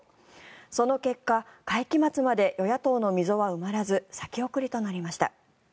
その結果、会期末まで与野党の溝は埋まらず先送りとなりました。